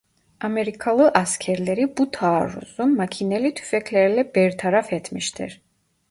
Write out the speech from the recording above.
Amerikalı askerleri bu taarruzu makineli tüfeklerle bertaraf etmiştir.